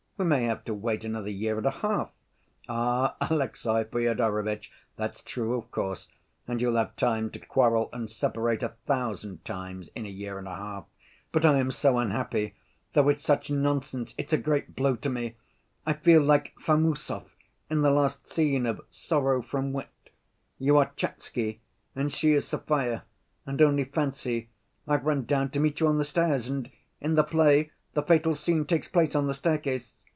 We may have to wait another year and a half." "Ah, Alexey Fyodorovitch, that's true, of course, and you'll have time to quarrel and separate a thousand times in a year and a half. But I am so unhappy! Though it's such nonsense, it's a great blow to me. I feel like Famusov in the last scene of Sorrow from Wit. You are Tchatsky and she is Sofya, and, only fancy, I've run down to meet you on the stairs, and in the play the fatal scene takes place on the staircase.